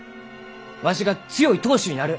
わしが強い当主になる。